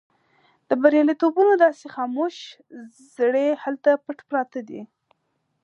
د برياليتوبونو داسې خاموش زړي هلته پټ پراته دي.